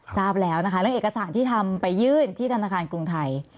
ทราบแล้วนะคะเรื่องเอกสารที่ทำไปยื่นที่ธนาคารกรุงไทย